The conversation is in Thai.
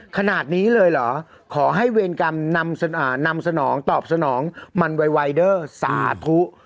ขนาดนี้เลยเหรอขอให้เวรกรรมนำสนองตอบสนองมันไวเดอร์สาธุ